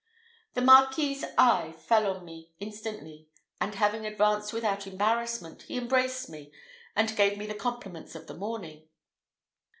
The Marquis's eye fell upon me instantly, and, advancing without embarrassment, he embraced me, and gave me the compliments of the morning.